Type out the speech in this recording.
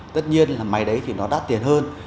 tất nhiên là máy đấy thì nó đắt tiền hơn